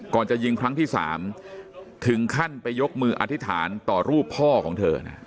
จะยิงครั้งที่๓ถึงขั้นไปยกมืออธิษฐานต่อรูปพ่อของเธอนะ